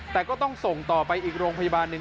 แต่ก็ต้องส่งต่อไปอีกโรงพยาบาลหนึ่ง